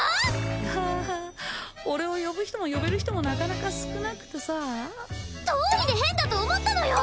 ハハッ俺を呼ぶヒトも呼べるヒトもなかなか少なくてさどうりで変だと思ったのよ